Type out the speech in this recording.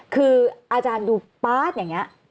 คืออาจารย์ดูป๊าดอย่างนี้